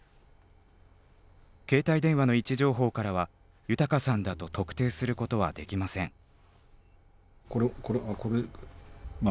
携帯電話の位置情報からは豊さんだと特定することはできません。